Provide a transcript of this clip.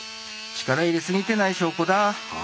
力入れ過ぎてない証拠だあ。